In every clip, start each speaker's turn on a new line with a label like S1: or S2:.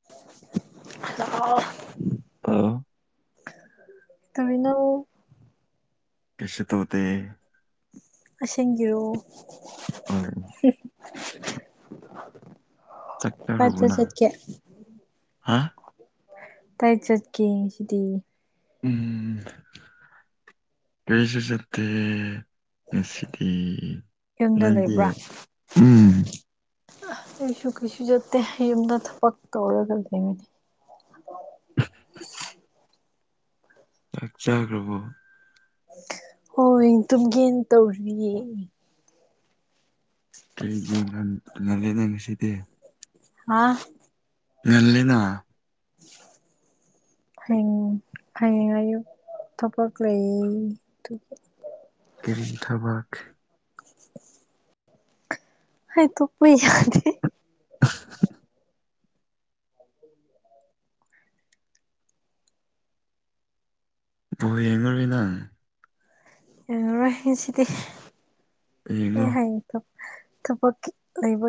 S1: [unintelligible]
S2: [unintelligible]
S1: ꯇꯧꯔꯤꯅꯣ
S2: ꯀꯦꯁꯨ ꯇꯧꯗꯦ
S1: ꯑꯁꯦꯡꯒꯤꯔꯣ
S2: ꯍꯣꯏ ꯆꯥꯛ ꯆꯥꯔꯕꯣ
S1: ꯄꯥꯠꯇ
S2: ꯅꯪ
S1: ꯆꯠꯀꯦ
S2: ꯍꯥ
S1: ꯀꯥꯏ ꯆꯠꯀꯦ ꯉꯁꯤꯗꯤ
S2: ꯎꯝ ꯀꯩꯁꯨ ꯆꯠꯇꯦ ꯉꯁꯤꯗꯤ
S1: ꯌꯨꯝꯗ
S2: ꯅꯪꯗꯤ
S1: ꯂꯩꯕ꯭ꯔꯥ
S2: ꯎꯝ
S1: ꯑꯁꯨ ꯀꯩꯁꯨ ꯆꯠꯇꯦ ꯌꯨꯝꯗ ꯊꯕꯛ ꯇꯧꯔꯒ ꯂꯩꯌꯦ
S2: ꯆꯥꯒꯔꯕꯣ
S1: ꯍꯣꯏ ꯇꯨꯝꯒꯦꯟ ꯇꯧꯔꯤꯌꯦ
S2: ꯀꯔꯤꯒꯤꯔꯥ ꯉꯟꯂꯦꯅ ꯉꯁꯤꯗꯤ
S1: ꯍꯥ
S2: ꯉꯜꯂꯤꯅ
S1: [inaudible] ꯍꯌꯦꯡ ꯍꯌꯦꯡ ꯑꯌꯨꯛ ꯊꯕꯛ ꯂꯩ ꯑꯗꯨꯒꯤ
S2: ꯀꯔꯤꯒꯤ ꯊꯕꯛ
S1: ꯍꯩ ꯇꯨꯞꯄ ꯌꯥꯗꯦ
S2: [unintelligible] ꯕꯣꯜ ꯌꯦꯡꯉꯔꯣꯏ ꯅꯪ
S1: ꯌꯦꯡꯉꯔꯣꯏ ꯉꯁꯤꯗꯤ
S2: ꯌꯦꯡꯉꯣ
S1: ꯑꯩ ꯍꯥꯌꯦꯡ ꯊꯕ ꯊꯕꯛꯀꯤ ꯂꯩꯕ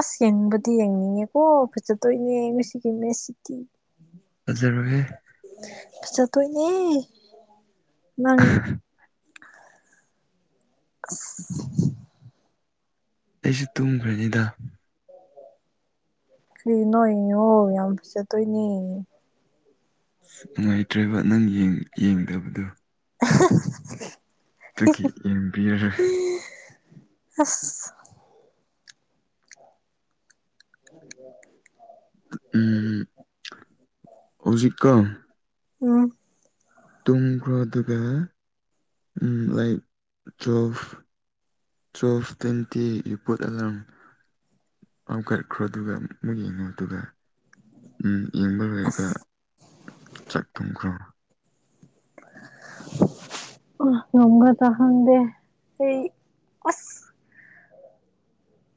S1: ꯑꯁ ꯌꯦꯡꯕꯗꯤ ꯌꯦꯡꯅꯤꯡꯉꯦꯀꯣ ꯐꯖꯠꯇꯣꯏꯅꯦ ꯉꯁꯤꯒꯤ ꯃꯦꯁꯁꯤꯗꯤ
S2: ꯐꯖꯔꯣꯍꯦ
S1: ꯐꯖꯗꯣꯏꯅꯦ ꯅꯪ ꯎꯝ [unintelligible]
S2: ꯑꯩꯁꯨ ꯇꯨꯝꯒ꯭ꯔꯅꯤꯗ
S1: ꯀꯩ ꯅꯣꯏ [unintelligible] ꯌꯥꯝ ꯐꯖꯠꯗꯣꯏꯅꯦ
S2: ꯅꯨꯡꯉꯥꯏꯇ꯭ꯔꯦꯕ ꯅꯪ ꯌꯦꯡ ꯌꯦꯡꯗꯕꯗꯨ
S1: [unintelligible]
S2: ꯗꯨꯒꯤ ꯌꯦꯡꯕꯤꯔꯔꯣꯏ
S1: ꯑꯁ [inaudible]
S2: ꯎꯝ ꯍꯧꯖꯤꯛꯀꯣ
S1: ꯎꯝ
S2: ꯇꯨꯝꯈ꯭ꯔꯣ ꯑꯗꯨꯒ ꯎꯝ ꯂꯥꯏꯛ ꯇꯨꯋꯦꯜꯐ ꯇ꯭ꯋꯦꯜꯐ ꯇ꯭ꯋꯦꯟꯇꯤ ꯌꯨꯄꯨꯠ ꯑꯦꯂꯥꯝ ꯑꯃ ꯀꯠꯈ꯭ꯔꯣ ꯑꯗꯨꯒ ꯃꯨꯛ ꯌꯦꯡꯉꯣ ꯑꯗꯨꯒ ꯎꯝ ꯌꯦꯡꯕ ꯂꯣꯏꯔꯒ
S1: ꯑꯁ
S2: ꯆꯥꯛ ꯊꯣꯛꯈ꯭ꯔꯣ
S1: [unintelligible] ꯉꯝꯒꯗꯔ ꯈꯪꯗꯦ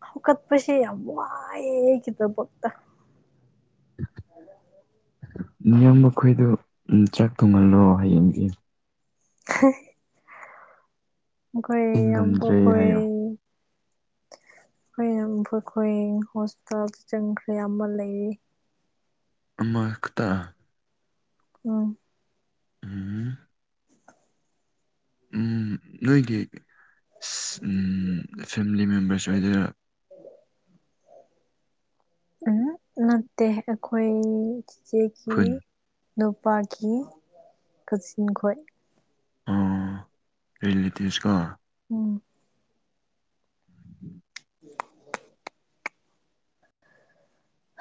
S1: ꯍꯧꯒꯠꯄꯁꯦ ꯋꯥꯝ ꯋꯥꯏꯌꯦ ꯑꯩꯒꯤꯗꯃꯛꯇ [unintelligible]
S2: ꯃꯤꯌꯥꯝ ꯃꯈꯣꯏꯗꯨ ꯎꯝ ꯆꯥꯛ ꯊꯣꯡꯍꯜꯂꯣ ꯍꯌꯦꯡꯒꯤ
S1: [unintelligible] ꯃꯈꯣꯏ
S2: ꯑꯩ ꯉꯝꯗ꯭ꯔꯦ
S1: ꯌꯥꯝꯕꯈꯣꯏ
S2: ꯍꯥꯏꯌꯣ
S1: ꯈꯣꯏ ꯢꯌꯥꯝꯕꯈꯣꯢ ꯑꯩꯈꯣꯏ ꯍꯣꯁꯄꯤꯇꯥꯜ ꯆꯪꯈ꯭ꯔꯦ ꯑꯃ ꯂꯩꯔꯤ
S2: ꯑꯃꯈꯇꯥ
S1: ꯎꯝ
S2: ꯎꯝ ꯎꯝ ꯅꯣꯏꯒꯤ ꯑꯁ ꯎꯝ ꯐꯦꯃꯤꯂꯤ ꯃꯦꯝꯕꯔꯁ ꯑꯣꯏꯗꯣꯏꯔꯣ
S1: ꯎꯝ ꯅꯠꯇꯦ ꯑꯩꯈꯣꯏ ꯆꯤꯆꯦꯒꯤ
S2: ꯈꯨꯟ
S1: ꯅꯨꯄꯥꯈꯤ ꯀꯥꯖꯤꯟ ꯈꯣꯏ
S2: ꯑꯣ ꯔꯤꯂꯦꯇꯤꯚꯁꯀꯣ
S1: ꯎꯝ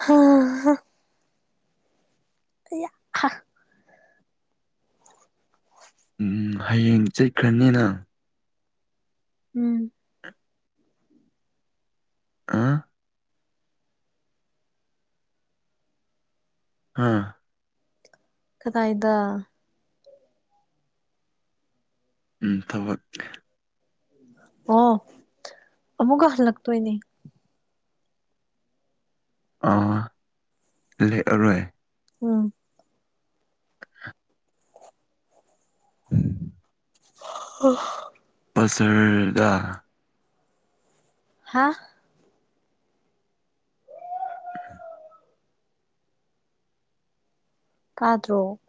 S1: ꯍꯥꯥ ꯍꯥ ꯑꯌꯥ
S2: ꯎꯝ ꯍꯌꯦꯡ ꯆꯠꯈ꯭ꯔꯅꯤꯅ
S1: ꯎꯝ
S2: ꯑ ꯍꯥ
S1: ꯀꯗꯥꯏꯗ
S2: ꯎꯝ ꯊꯕꯛ
S1: ꯑꯣ ꯑꯃꯨꯛꯀ ꯍꯜꯂꯛꯇꯣꯏꯅꯦ
S2: ꯑꯥ ꯂꯦꯛꯑꯔꯣꯏ
S1: ꯎꯝ
S2: [unintelligible]
S1: [unintelligible]
S2: [unintelligible] ꯗ
S1: ꯍꯥ
S2: [inaudible]
S1: ꯇꯥꯗ꯭ꯔꯣ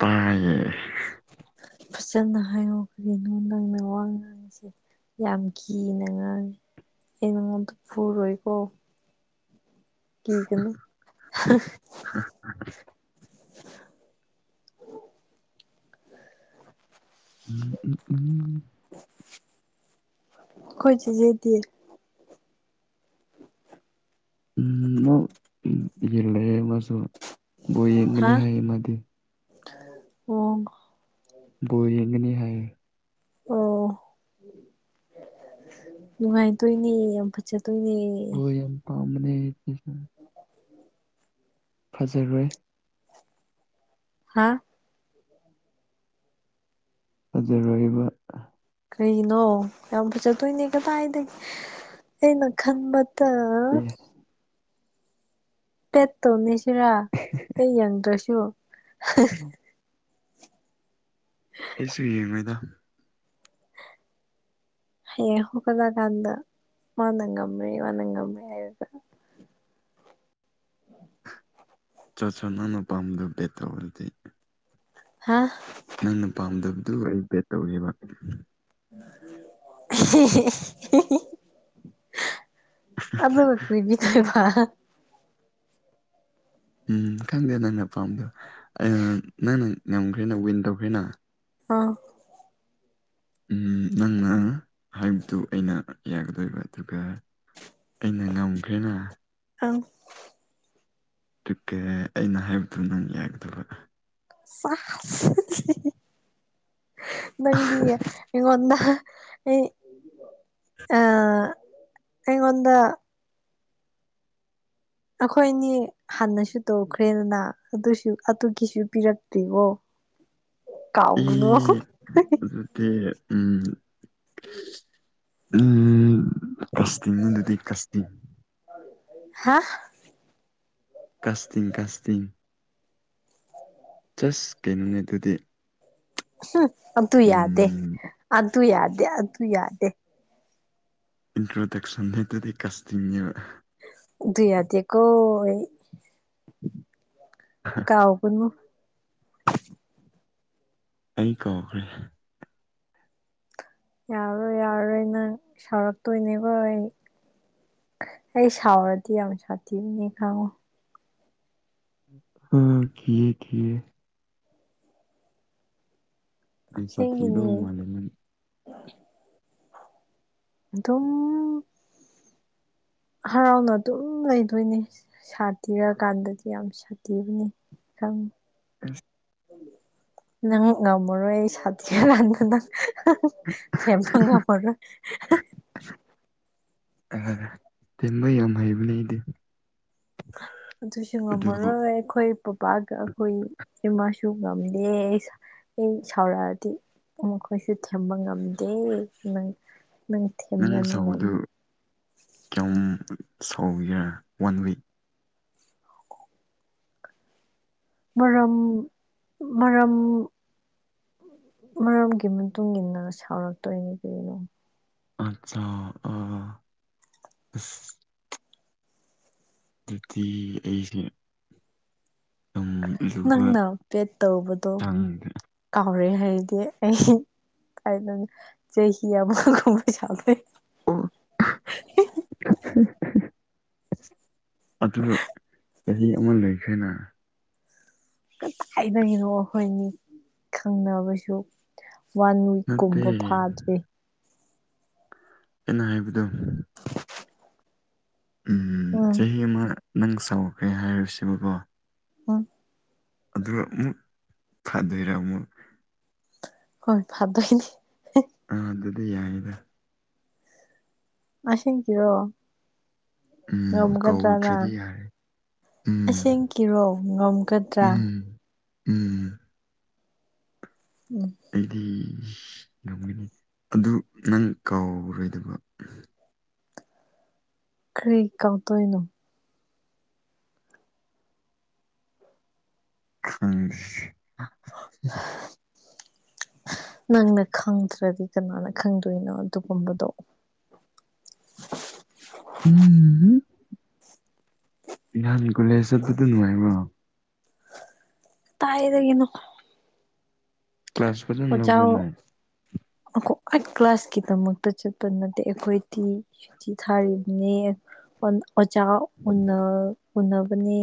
S2: ꯇꯥꯏꯌꯦ
S1: ꯐꯖꯅ ꯍꯥꯏꯌꯣꯀꯣ [unintelligible] ꯅꯪꯅ ꯋꯥ ꯉꯥꯡꯉꯤꯁꯦ ꯌꯥꯝ ꯀꯤꯅ ꯉꯥꯡꯉꯤ ꯑꯩ ꯅꯉꯣꯟꯗ ꯐꯨꯔꯣꯏꯀꯣ ꯀꯤꯒꯅꯨ [unintelligible]
S2: [unintelligible] [unintelligible]
S1: ꯑꯈꯣꯏ ꯆꯦꯖꯦꯗꯤ [inaudible]
S2: ꯅꯝ [unintelligible] ꯌꯦꯡꯒꯅꯤ
S1: ꯍꯥ
S2: ꯍꯥꯏꯌꯦ ꯃꯥꯗꯤ
S1: ꯑꯣ
S2: ꯕꯣꯜ ꯌꯦꯡꯒꯅꯤ ꯍꯥꯏꯌꯦ
S1: ꯑꯣ ꯅꯨꯡꯉꯥꯏꯗꯣꯏꯅꯦ ꯌꯥꯝ ꯐꯖꯗꯣꯏꯅꯦ
S2: ꯕꯣꯜ ꯌꯥꯝ ꯄꯥꯝꯕꯅꯦ [unintelligible] ꯐꯖꯔꯣꯏ
S1: ꯍꯥꯥ
S2: ꯐꯖꯔꯣꯏꯕ
S1: ꯀꯔꯤꯒꯤꯅꯣ ꯌꯥꯝ ꯐꯖꯗꯣꯏꯅꯦ ꯀꯗꯥꯏꯗꯒꯤ ꯑꯩꯅ ꯈꯟꯕ [unintelligible]
S2: ꯑꯦ
S1: ꯕꯦꯠ ꯇꯧꯅꯁꯤꯔ ꯑꯩ ꯌꯦꯡꯗ꯭ꯔꯁꯨ
S2: ꯑꯩꯁꯨ ꯌꯦꯡꯉꯣꯏꯗ
S1: ꯍꯌꯦꯡ ꯍꯧꯒꯂꯥꯀꯥꯟꯗ ꯃꯥꯅ ꯉꯝꯃꯦ ꯃꯥꯅ ꯉꯝꯃꯦ ꯍꯥꯏꯔꯒ [unintelligible]
S2: ꯆꯣ ꯆꯣ ꯅꯪꯅ ꯄꯥꯝꯗꯕꯗꯣ ꯕꯦꯠ ꯇꯧꯔꯣ ꯑꯗꯨꯗꯤ
S1: ꯍꯥꯥ
S2: ꯅꯪꯅ ꯄꯥꯝꯗꯕꯗꯨ ꯑꯩ ꯕꯦꯠ ꯇꯧꯒꯦꯕ
S1: [unintelligible] ꯑꯗꯨ ꯀꯔꯤꯒꯤ [unintelligible]
S2: ꯎꯝ ꯈꯪꯗꯦ ꯅꯪꯅ ꯄꯥꯝꯕꯗꯣ ꯅꯪꯅ ꯉꯝꯈ꯭ꯔꯦꯅ ꯋꯤꯟ ꯇꯧꯈ꯭ꯔꯦꯅ
S1: [unintelligible]
S2: ꯎꯝ ꯅꯪꯅ ꯍꯥꯏꯕꯗꯨ ꯑꯩꯅ ꯌꯥꯒꯗꯣꯏꯕ ꯑꯗꯨꯒ ꯑꯩꯅ ꯉꯝꯈ꯭ꯔꯦꯅ
S1: ꯑꯝ
S2: ꯇꯨꯗꯤ ꯑꯩꯅ ꯍꯥꯏꯕꯗꯨ ꯅꯪ ꯌꯥꯒꯗꯕ
S1: [unintelligible] ꯅꯪꯗꯤ ꯑꯩꯉꯣꯟꯗ ꯑꯩ ꯑ ꯑꯩꯉꯣꯟꯗ ꯑꯩꯈꯣꯏꯅꯦꯤ ꯍꯥꯟꯅꯁꯨ ꯇꯧꯈ꯭ꯔꯦꯗꯅ ꯑꯗꯨꯁꯨ ꯑꯗꯨꯒꯤꯁꯨ ꯄꯤꯔꯛꯇ꯭ꯦꯔꯤꯕꯣ ꯀꯥꯎꯒꯤꯅꯣ [unintelligible]
S2: [unintelligible] ꯀꯥꯁꯇꯤꯡ ꯑꯗꯨꯗꯤ ꯀꯁꯇꯤꯡ
S1: ꯍꯥ
S2: ꯀꯥꯁꯇꯤꯡ ꯀꯥꯁꯇꯤꯡ ꯖꯁ ꯀꯩꯅꯣꯅꯦ ꯑꯗꯨꯗꯤ
S1: ꯑꯗꯨ ꯌꯥꯗꯦ
S2: ꯎꯝ
S1: ꯑꯗꯨ ꯌꯥꯗꯦ ꯑꯗꯨ ꯌꯥꯗꯦ
S2: ꯏꯟꯇ꯭ꯔꯣꯗꯛꯁꯟ ꯅ‌ꯦ ꯗꯨꯗꯤ ꯀꯥꯁꯇꯤꯡꯅ‌‌ꯦꯕ
S1: ꯨꯑꯗꯨ ꯌꯥꯗ‌ꯦꯀ‌ꯣ ꯑꯩ ꯀꯥꯎꯒꯅꯨ
S2: ꯑꯩ ꯀꯥꯎꯈ꯭ꯔꯦ
S1: ꯌꯥꯔꯔꯣꯏ ꯌꯥꯔꯔꯣꯏ ꯅꯪ ꯁꯥꯎꯔꯛꯇꯣꯏꯅꯦꯀ‌ꯣ ꯑꯩ ꯑꯩ ꯁꯥꯎꯔꯗꯤ ꯌꯥꯝ ꯁꯥꯊꯤꯕꯅꯦ ꯈꯪꯉꯣ
S2: ꯑꯣ ꯀꯤꯌꯦ ꯀꯤꯌꯦ ꯃꯤ ꯁꯊꯤꯗꯧ
S1: ꯑꯁꯦꯡꯒꯤꯅꯦ
S2: ꯃꯥꯂꯦ ꯅꯪ
S1: ꯑꯗꯨꯝ ꯍꯔꯥꯎꯅ ꯑꯗꯨꯝ ꯂꯩꯗꯣꯏꯅꯦ ꯁꯥꯇꯤꯔꯀꯥꯟꯗꯗꯤ ꯌꯥꯝ ꯁꯥꯇꯤꯕꯅ‌ꯦ ꯈꯪ
S2: [unintelligible]
S1: ꯅꯪꯅ ꯉꯃꯔ‌ꯣꯏ ꯑꯩ ꯁꯥꯇꯤꯀꯥꯟꯗ ꯅꯪ ꯊꯦꯝꯕ ꯉꯝꯃꯔ‌ꯣꯏ
S2: ꯑ ꯇꯤꯟꯕ ꯌꯥꯝ ꯍꯩꯕꯅꯦ ꯑꯩꯗꯤ
S1: ꯑꯗꯨꯏꯁꯨ
S2: ꯑꯗꯨ
S1: ꯉꯝꯃꯔꯣꯏ ꯑꯩꯈꯣꯏ ꯄꯕꯥꯒ ꯑꯩꯈꯣꯏ ꯏꯃꯥꯁꯨ ꯉꯝꯗꯦ ꯑꯩ ꯑꯩ ꯁꯥꯎꯔꯛꯑꯗꯤ ꯃꯈꯣꯏꯁꯨ ꯊꯦꯝꯕ ꯉꯝꯗꯦ ꯅꯪ ꯅꯪ
S2: ꯅꯪ
S1: ꯊꯦꯝꯕ
S2: ꯁꯥꯎꯕꯗꯨ
S1: ꯉꯝꯃꯨ
S2: ꯀꯌꯥꯝ ꯁꯥꯎꯒꯦꯔꯥ ꯋꯥꯟ ꯋꯤꯛ
S1: ꯃꯔꯝ ꯃꯔꯝ ꯃꯔꯝꯒꯤ ꯃꯇꯨꯡ ꯏꯟꯅ ꯁꯥꯎꯔꯛꯇꯣꯏꯅꯤ ꯀꯩꯅꯣ
S2: ꯑꯠꯆꯥꯥ ꯑꯥ ꯑꯁ ꯑꯗꯨꯗꯤ ꯑꯩꯁ‌ꯦ ꯂꯨꯕ
S1: ꯅꯪꯅ ꯄꯦꯠ ꯇꯧꯕꯗꯣ
S2: ꯆꯥꯡꯗ
S1: ꯀꯥꯎꯔꯦ ꯍꯥꯏꯔꯗꯤ ꯑꯩ ꯀꯥꯏꯗꯟ ꯆꯍꯤ ꯑꯃꯒꯨꯝꯕ ꯁꯥꯎꯗꯣꯏ
S2: ꯑ [unintelligible] ꯑꯁ ꯑꯗꯨ ꯆꯍꯤ ꯑꯃ ꯂꯩꯈ꯭ꯔꯦꯅ
S1: ꯀꯗꯥꯏꯗꯒꯤꯅꯣ ꯑꯩꯈꯣꯏ ꯑꯅꯤ ꯈꯪꯅꯕꯁꯨ ꯋꯥꯟ
S2: ꯅꯠꯇꯦ
S1: ꯋꯤꯛꯀꯨꯝꯕ ꯐꯥꯗ꯭꯭ꯔꯤ
S2: ꯑꯩꯅ ꯍꯥꯏꯕꯗꯣ ꯎ
S1: ꯎꯝ
S2: ꯆꯍꯤ ꯑꯃ ꯅꯪ ꯁꯥꯎꯈ꯭ꯔꯦ ꯍꯥꯏꯔꯁꯨꯀꯣ
S1: ꯍꯨ
S2: ꯑꯗꯨꯒ ꯑꯃꯨꯛ ꯐꯗ‌ꯣꯏꯔꯥ ꯑꯃꯨꯛ
S1: ꯍꯣꯏ ꯐꯗ‌ꯣꯏꯅ‌ꯦ
S2: ꯑꯥ ꯑꯗꯨꯗꯤ ꯌꯥꯏꯗ
S1: ꯑꯁ‌ꯦꯡꯀꯤꯔꯣ
S2: ꯎꯝ ꯀꯧꯗ꯭ꯔꯗꯤ ꯌꯥꯔꯦ ꯎꯝ
S1: ꯑꯁꯦꯡ ꯀꯤꯔꯣ ꯉꯝꯒꯗ꯭ꯔꯥ
S2: ꯎꯝ ꯎꯝ
S1: ꯎꯝ
S2: ꯑꯩꯗꯤ ꯉꯝꯒꯅꯤ ꯑꯗꯨ ꯅꯪ ꯀꯥꯎꯔꯣꯏꯗꯕ
S1: ꯀꯔꯤ ꯀꯥꯎꯗ‌ꯣꯏꯅꯣ
S2: ꯈꯪꯗ‌ꯦ [unintelligible]
S1: ꯅꯪꯅ ꯈꯪꯗ꯭ꯔꯗꯤ ꯀꯅꯥꯅ ꯈꯪꯗꯣꯏꯅꯣ ꯑꯗꯨꯒꯨꯝꯕꯗꯣ
S2: ꯎꯝ ꯅꯍꯥꯟ ꯀꯣꯂꯦꯖ ꯆꯠꯄꯗ‌ꯣ ꯅꯨꯡꯉꯥꯏꯕ꯭ꯔꯣ
S1: ꯗꯥꯏꯗꯒꯤꯅ‌ꯣ
S2: ꯀ꯭ꯂꯥꯁ ꯐꯖꯅ ꯌꯥꯎꯕꯔ ꯅꯣꯏ
S1: ꯑꯈ‌ꯣ ꯑꯩ ꯀ꯭ꯂꯥꯁꯀꯤꯗꯃꯛꯇ ꯆꯠꯄ ꯅꯠꯇꯦ ꯑꯩꯈꯣꯏꯗꯤ ꯆꯤꯊꯤ ꯊꯥꯔꯤꯕꯅꯦ ꯑꯣꯖꯥ ꯎꯟꯅꯅꯕꯅꯦ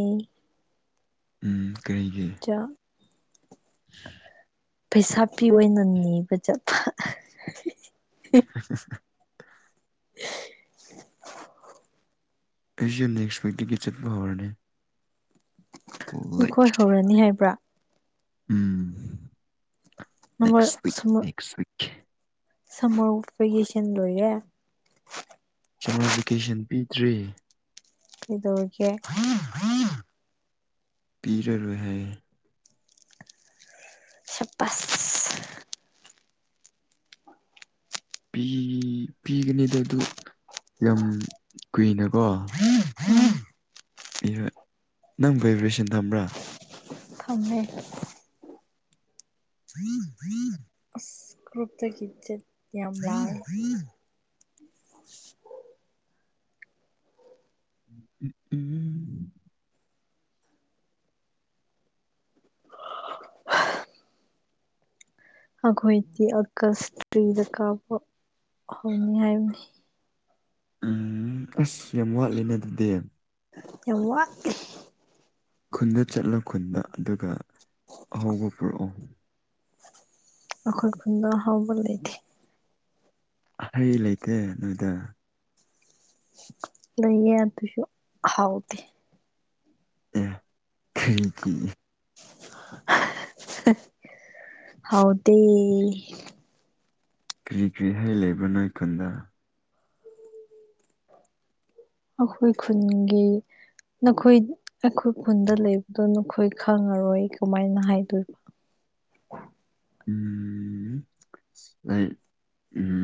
S2: ꯎꯝ ꯀꯔꯤꯒꯤ
S1: ꯄꯩꯁꯥ ꯄꯤ ꯑꯣꯏꯅ ꯅꯤꯕ ꯆꯠꯄ
S2: [inaudible]
S1: [inaudible]
S2: ꯑꯩꯁꯦ ꯅꯦꯛꯁ ꯋꯤꯛꯗꯒꯤ ꯆꯠꯄ ꯍꯧꯔꯅꯦ
S1: ꯅꯈꯣꯏ ꯍꯧꯔꯅꯤ ꯍꯥꯏꯕ꯭ꯔꯥ
S2: ꯎꯝ
S1: ꯅꯝꯕꯔ
S2: ꯅꯦꯛꯁꯋꯤꯛ ꯅꯦꯛꯁꯋꯤꯛ
S1: ꯁꯔ ꯐꯤꯀꯦꯁꯟ ꯂꯣꯏꯌꯦ
S2: ꯁꯝꯃꯔ ꯚꯦꯀꯦꯁꯟ ꯄꯤꯗ꯭ꯔꯤ
S1: ꯀꯗꯧꯒꯦ
S2: ꯄꯤꯔꯔꯣꯏ ꯍꯥꯏ
S1: ꯁꯄꯁ
S2: ꯄꯤ ꯄꯤꯒꯅꯤꯗ ꯑꯗꯨ ꯌꯥꯝ ꯀꯨꯏꯅꯀꯣ ꯅꯪ ꯚꯥꯏꯕ꯭ꯔꯦꯁꯟ ꯊꯝꯕ꯭ꯔꯥ
S1: ꯊꯝꯃꯦ ꯀ꯭ꯄ ꯀꯆꯗꯤ ꯌꯥꯝ ꯂꯑ [inaudible]
S2: [unintelligible]
S1: ꯑꯩꯈꯣꯏꯗꯤ ꯑꯀꯁꯇ꯭ꯔꯤꯗ ꯀꯥꯄ ꯍꯧꯅꯤ ꯍꯥꯏꯕꯅꯤ
S2: ꯎꯝ ꯑꯁ ꯌꯥꯝ ꯋꯥꯠꯂꯦꯅ ꯑꯗꯨꯗꯤ
S1: ꯌꯥꯝ
S2: ꯈꯨꯟꯗ ꯆꯠꯂꯣ ꯈꯨꯟꯗ ꯑꯗꯨꯒ ꯑꯍꯧꯕ ꯄꯨꯔꯛꯑꯣ
S1: ꯑꯈꯠ ꯐꯨꯟꯗ ꯍꯥꯎꯕ ꯂꯩꯗꯤ
S2: ꯍꯩ ꯂꯩꯇꯦ ꯅꯣꯏꯗ
S1: ꯅꯌꯦ ꯑꯗꯨꯁꯨ ꯍꯥꯎꯗꯤ
S2: ꯑꯦ ꯐꯔꯤ
S1: [unintelligible] ꯍꯥꯎꯗ
S2: ꯀꯔꯤ ꯀꯔꯤ ꯍꯥꯏꯩ ꯂꯩꯕ ꯅꯣꯏ ꯀꯨꯟꯗ
S1: ꯑꯩꯈꯣꯏ ꯈꯨꯟꯒꯤ ꯅꯈꯣꯏ ꯑꯩꯈꯣꯏ ꯈꯨꯟꯗ ꯂꯩꯕꯗꯣ ꯑꯩꯈꯣꯏ ꯈꯪꯉꯔꯣꯏ ꯑꯩ ꯀꯃꯥꯏꯅ ꯍꯥꯏꯗꯣꯏꯕ
S2: ꯎꯝ ꯑꯩ ꯎꯝ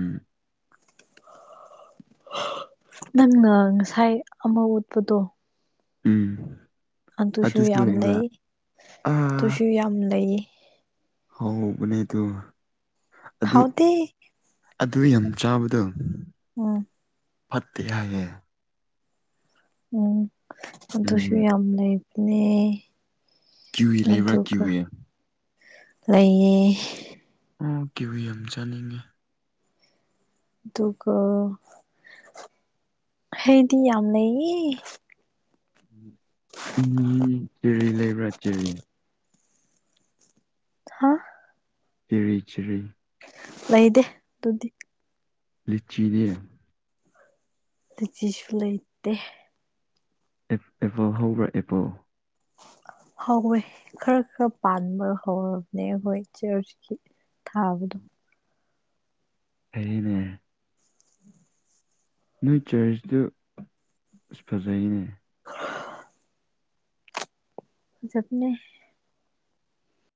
S1: ꯅꯪꯅ ꯉꯁꯥꯏ ꯑꯃ ꯎꯠꯄꯗꯣ
S2: ꯎꯝ
S1: ꯑꯗꯨꯪ ꯑꯗꯨꯁꯨ ꯌꯥꯝ ꯂꯩ ꯑꯗꯨ ꯑꯗꯨꯁꯨ ꯌꯥꯝ ꯂꯩ
S2: ꯍꯧꯕꯅꯦ ꯑꯗꯨ ꯑꯗꯨ
S1: ꯍꯥꯎꯇꯦ
S2: ꯑꯗꯨ ꯌꯥꯝ ꯆꯥꯕꯗꯣ
S1: ꯎꯝ
S2: ꯐꯠꯇꯦ ꯍꯥꯏꯌꯦ
S1: ꯎꯝ ꯑꯗꯁꯨ
S2: ꯎꯝ
S1: ꯌꯥꯝ ꯅꯩꯕꯅꯦ
S2: ꯀꯤꯋꯤ ꯂꯩꯕ꯭ꯔꯥ
S1: ꯑꯗꯨ ꯀ
S2: ꯀꯤꯋꯤ
S1: ꯂꯩꯌꯦ
S2: ꯎꯝ ꯀꯤꯋꯤ ꯌꯥꯝꯅ ꯆꯥꯅꯤꯡꯉꯦ
S1: ꯑꯗꯨꯒꯒ ꯍꯩꯗꯤ ꯌꯥꯝ ꯂꯩꯌꯦ
S2: ꯎꯝ ꯆꯦꯔꯤ ꯂꯩꯕ꯭ꯔꯥ ꯆꯦꯔꯤ
S1: ꯍꯥ
S2: ꯔꯤ ꯆꯔꯤ
S1: ꯂꯩꯗꯦ ꯑꯗꯨꯗꯤ
S2: ꯂꯤꯆꯤꯅꯦ
S1: ꯑꯗꯨꯆꯤꯁꯨ ꯂꯩꯇꯦ
S2: ꯑꯦꯄꯣ ꯍꯧꯕ꯭ꯔꯥ ꯑꯦꯞꯄꯣ
S1: ꯍꯧꯋꯦ ꯈꯔ ꯈꯔ ꯄꯥꯟꯕ ꯍꯧꯔꯕꯅꯦ ꯍꯈꯣꯏ ꯆꯔꯆꯀꯤ ꯊꯥꯕꯗꯣ
S2: ꯊꯩꯅ ꯅꯣꯏ ꯆꯔꯖꯇ ꯑ ꯐꯖꯩꯅꯦ
S1: ꯑ ꯆꯠꯅꯦ